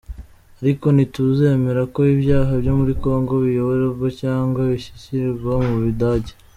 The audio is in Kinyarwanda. Ariko ntituzemera ko ibyaha byo muri Congo biyoborerwa cyangwa bishyigikirirwa mu Budage.”